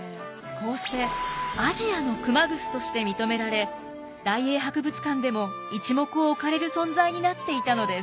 こうして「アジアの熊楠」として認められ大英博物館でも一目置かれる存在になっていたのです。